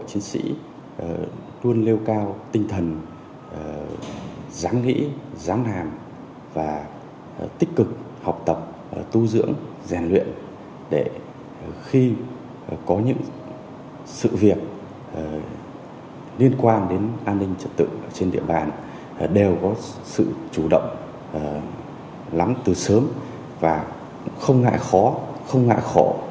trên địa bàn đều có sự chủ động lắm từ sớm và không ngại khó không ngại khổ